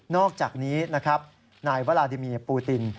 อกจากนี้นะครับนายวราดิเมียปูติน